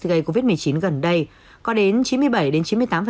gây covid một mươi chín gần đây có đến chín mươi bảy chín mươi tám số mắc nhiễm chủng ba hai